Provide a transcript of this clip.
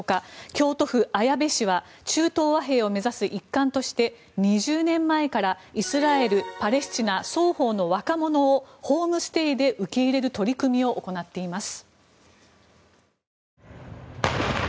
京都府綾部市は中東和平を目指す一環として２０年前からイスラエル・パレスチナ双方の若者をホームステイで受け入れる取り組みを行っています。